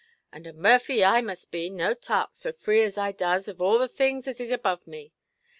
And a Murphy I must be, to tark, so free as I does, of the things as is above me.